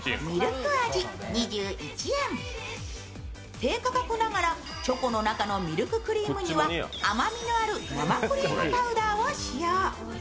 低価格ながらチョコの中のミルククリームには、甘みのある生クリームパウダーを使用。